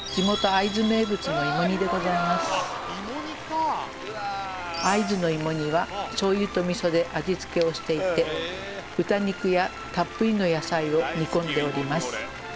会津の芋煮は醤油と味噌で味付けをしていて豚肉やたっぷりの野菜を煮込んでおります